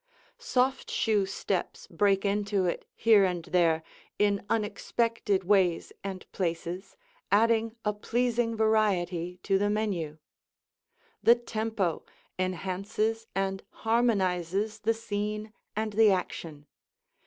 Soft shoe steps break into it here and there in unexpected ways and places, adding a pleasing variety to the menu. The tempo enhances and harmonizes the scene and the action.